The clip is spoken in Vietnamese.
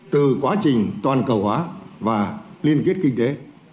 từ quá trình toàn cầu hóa và liên kết kinh tế